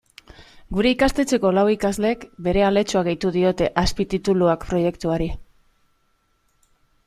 Gure ikastetxeko lau ikasleek bere aletxoa gehitu diote azpitituluak proiektuari.